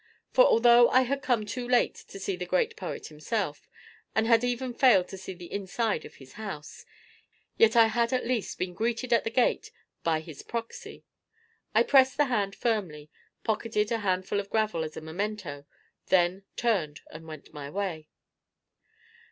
For although I had come too late to see the great poet himself and had even failed to see the inside of his house, yet I had at least been greeted at the gate by his proxy. I pressed the hand firmly, pocketed a handful of gravel as a memento, then turned and went my way.